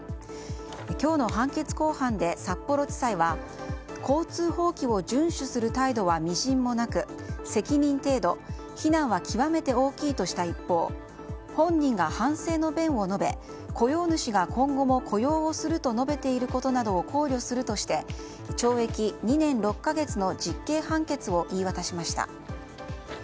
今日の判決公判で札幌地裁は交通法規を順守する態度はみじんもなく責任程度非難は極めて大きいとした一方本人が反省の弁を述べ、雇用主が今後も雇用をすると述べていることなどを考慮するとして懲役２年６か月の実刑判決を言い渡しました。